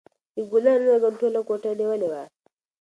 د ګلانو وږم ټوله کوټه نیولې وه.